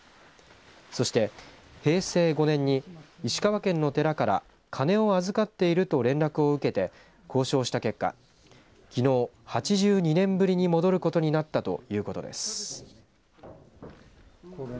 そして平成５年に石川県の寺から鐘を預かっていると連絡を受けて交渉した結果、きのう８２年ぶりに戻ることになったということです。